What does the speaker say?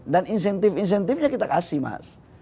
dan insentif insentifnya kita kasih mas